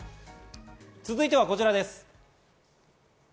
続いてはこちらです。